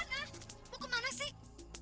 mau kemana sih